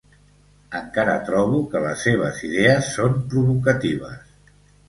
Encara trobo que les seves idees són provocatives.